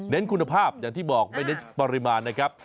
คุณภาพอย่างที่บอกไม่เน้นปริมาณนะครับ